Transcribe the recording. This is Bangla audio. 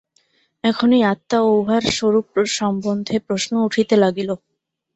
এখন এই আত্মা ও উহার স্বরূপ সম্বন্ধে প্রশ্ন উঠিতে লাগিল।